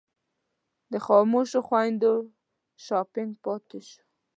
د خاموشو خویندو شاپنګ پاتې شو.